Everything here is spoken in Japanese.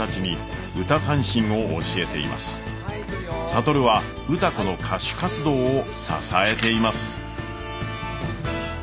智は歌子の歌手活動を支えています。